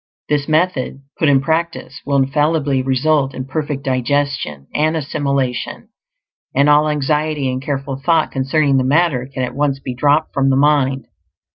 This method, put in practice, will infallibly result in perfect digestion and assimilation; and all anxiety and careful thought concerning the matter can at once be dropped from the mind.